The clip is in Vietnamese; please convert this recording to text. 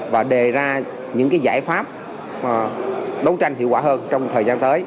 và đề ra những giải pháp đấu tranh hiệu quả hơn trong thời gian tới